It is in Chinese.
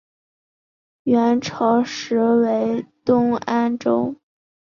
元朝时为东安州。